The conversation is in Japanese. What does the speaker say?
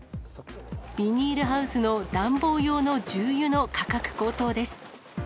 ビニールハウスの暖房用の重油の価格高騰です。